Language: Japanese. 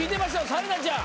紗理奈ちゃん